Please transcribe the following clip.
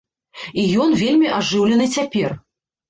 І ён вельмі ажыўлены цяпер.